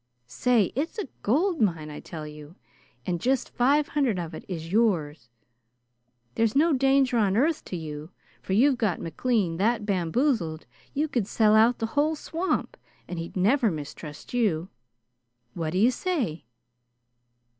Say, it's a gold mine, I tell you, and just five hundred of it is yours. There's no danger on earth to you, for you've got McLean that bamboozled you could sell out the whole swamp and he'd never mistrust you. What do you say?"